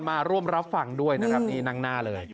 มาร่วมรับฟังด้วยนะครับนี่นั่งหน้าเลย